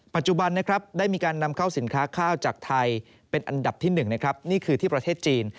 ปัจจุบันนะครับได้มีการนำเข้าสินค้าข้าวจากไทยเป็นอันดับที่๑นะครับนี่คือที่ประเทศจีน